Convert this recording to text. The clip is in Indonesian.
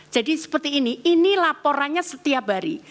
jadi seperti ini ini laporannya setiap hari